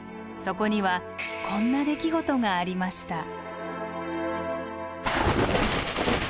そこにはこんな出来事がありました。